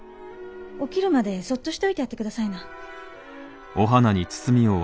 起きるまでそっとしておいてやって下さいな。